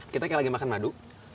kita kayak lagi makan madu